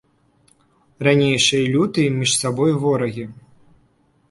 Ранейшыя лютыя між сабой ворагі.